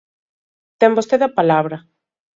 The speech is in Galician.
Ten vostede a palabra.